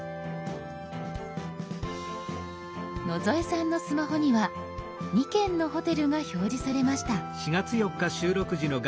野添さんのスマホには２件のホテルが表示されました。